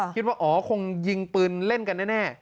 คิดว่าอ๋อคงยิงปืนเล่นกันแน่